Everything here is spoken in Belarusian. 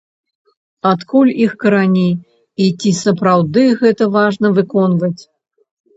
Адкуль іх карані, і ці сапраўды гэта важна выконваць?